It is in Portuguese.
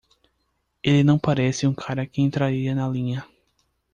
Ele não parece um cara que entraria na linha.